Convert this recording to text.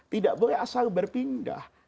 tidak boleh asal berpindah